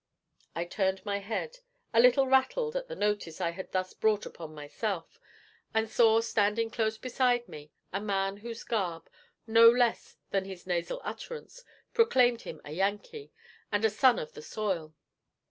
I turned my head, a little rattled at the notice I had thus brought upon myself, and saw standing close beside me a man whose garb, no less than his nasal utterance, proclaimed him a Yankee, and a son of the soil.